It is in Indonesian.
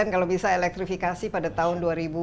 kalau bisa elektrifikasi pada tahun